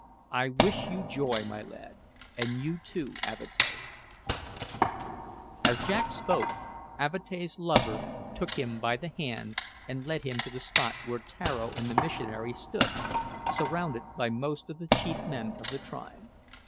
"I wish you joy, my lad! And you too, Avatea!" As Jack spoke, Avatea's lover took him by the hand and led him to the spot where Tararo and the missionary stood, surrounded by most of the chief men of the tribe.